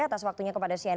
atas waktunya kepada cnn news